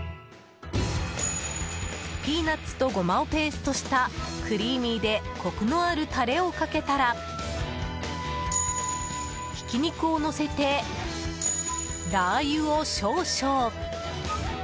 ピーナツとゴマをペーストしたクリーミーでコクのあるタレをかけたらひき肉をのせてラー油を少々。